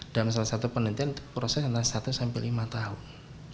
dalam salah satu penelitian proses antara satu sampai lima tahun